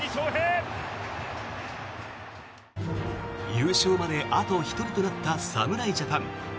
優勝まであと１人となった侍ジャパン。